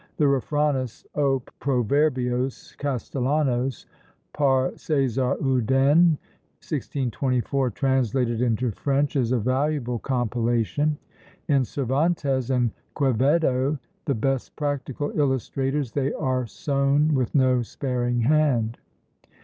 The "Refranes o Proverbios Castellanos," par Cæsar Oudin, 1624, translated into French, is a valuable compilation. In Cervantes and Quevedo, the best practical illustrators, they are sown with no sparing hand.